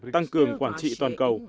tăng cường quản trị toàn cầu